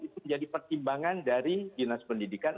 itu menjadi pertimbangan dari dinas pendidikan